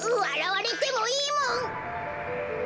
わらわれてもいいもん！